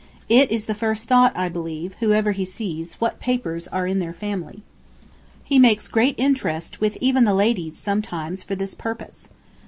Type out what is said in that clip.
It is the first thought, I believe, whoever he sees, what papers are in their family. He makes great interest with even the ladies sometimes for this purpose.